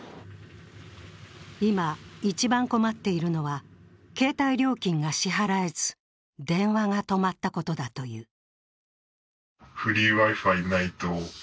今、一番困っているのは携帯料金が支払えず電話が止まったことだという。